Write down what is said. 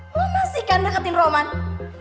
lu masih kan deketin romand